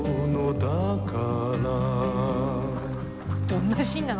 どんなシーンなの？